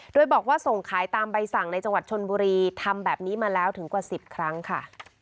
โดยบอกว่าส่งขายตามใบสั่งในจังหวัดชนบุรีทำแบบนี้มาแล้วถึงกว่า๑๐ครั้งค่ะ